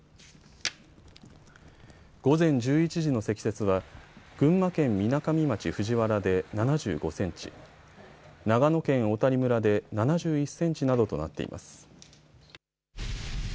午前１１時の積雪は群馬県みなかみ町藤原で７５センチ、長野県小谷村で７１センチなどとなっています。